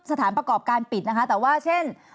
สถานประกอบการปิดนะคะแต่ว่าเช่น